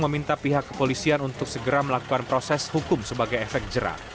meminta pihak kepolisian untuk segera melakukan proses hukum sebagai efek jerah